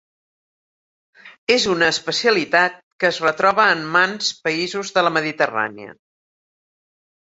És una especialitat que es retroba en mants països de la mediterrània.